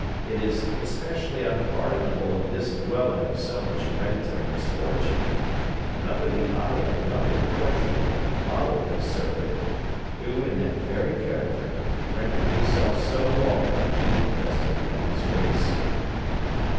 It is especially unpardonable in this dwelling of so much hereditary misfortune, and under the eye of yonder portrait of a model conservative, who, in that very character, rendered himself so long the evil destiny of his race."